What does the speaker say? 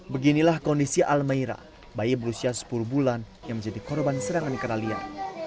beginilah kondisi almaira bayi berusia sepuluh bulan yang menjadi korban serangan ikera liar